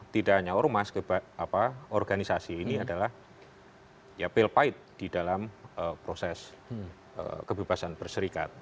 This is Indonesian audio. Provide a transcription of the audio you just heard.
tidak hanya ormas organisasi ini adalah ya pil pahit di dalam proses kebebasan berserikat